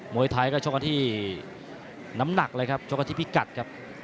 มวยไทยก็ชกท่านที่น้ำหนักเลยครับชกท่านที่พีกัฤก่